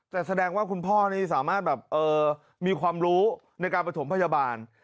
แต่แสดงว่าคุณพ่อนี่สามารถแบบมีความรู้ในการประถมพยาบาล